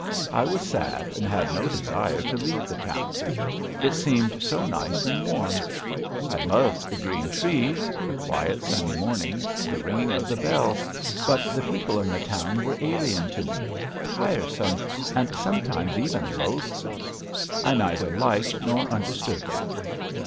I was sad and had no desire to leave the town. It seemed so nice and warm! I loved the green trees, the quiet sunny mornings, the ringing of the bells, but the people in the town were alien to me, tiresome and sometimes even loathsome. I neither liked nor understood them.